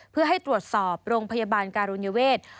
เพื่อให้ตรวจสอบโรงพยาบาลการุญเวท